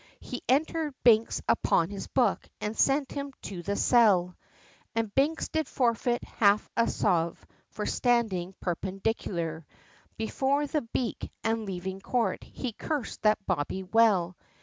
He entered Binks upon his book, and sent him to the cell, And Binks did forfeit half a sov., for standing perpendicular, Before the Beak, and leaving court, he cursed that bobbie well!